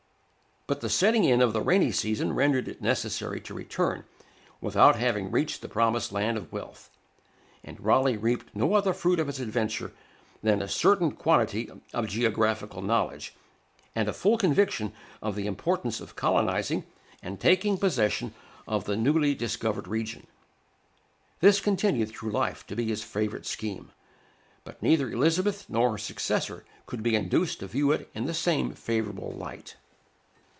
But the setting in of the rainy season rendered it necessary to return, without having reached the promised land of wealth; and Raleigh reaped no other fruit of his adventure than a certain quantity of geographical knowledge, and a full conviction of the importance of colonizing and taking possession of the newly discovered region. This continued through life to be his favorite scheme; but neither Elizabeth nor her successor could be induced to view it in the same favorable light.